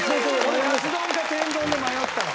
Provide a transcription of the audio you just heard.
俺カツ丼か天丼で迷ったの。